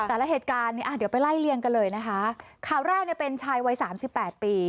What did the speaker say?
แต่ละเหตุการณ์เนี่ยเดี๋ยวไปไล่เลี่ยงกันเลยนะคะข่าวแรกเนี่ยเป็นชายวัยสามสิบแปดปี